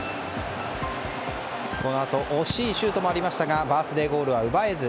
惜しいシュートもありましたがバースデーゴールは奪えず。